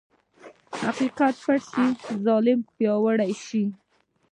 حقیقت پټ شي، ظلم پیاوړی شي.